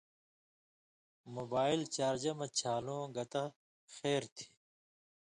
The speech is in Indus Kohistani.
موبائل چارجہ مہ چھالُوں گتہ خیر تھی